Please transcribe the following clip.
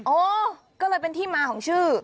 โอ้ก็เลยเป็นที่มาของชื่อ